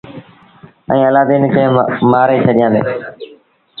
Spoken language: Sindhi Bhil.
ائيٚݩ الآدين کي مآري ڇڏيآندي۔